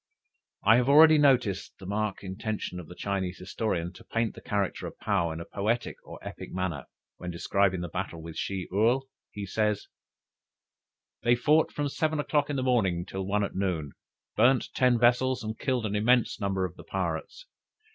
I have already noticed the marked intention of the Chinese historian, to paint the character of Paou in a poetical or epic manner. When describing the battle with Shih Url, he says: "They fought from seven o'clock in the morning till one at noon, burnt ten vessels, and killed an immense number of the pirates.